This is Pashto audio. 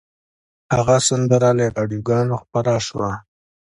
هغه سندره له راډیوګانو خپره شوه